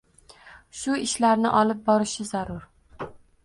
Shu ishlarni olib borishi zarur